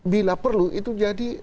bila perlu itu jadi